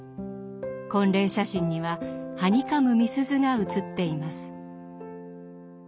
婚礼写真にははにかむみすゞが写っています。